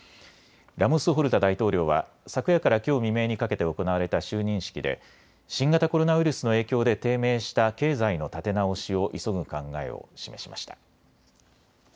ラモス・ホルタ大統領は昨夜からきょう未明にかけて行われた就任式で新型コロナウイルスの影響で低迷した経済の立て直しを急ぐ考えを示しました。